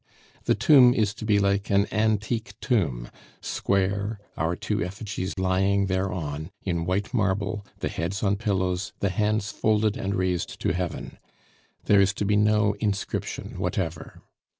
The tomb is to be like an antique tomb square, our two effigies lying thereon, in white marble, the heads on pillows, the hands folded and raised to heaven. There is to be no inscription whatever.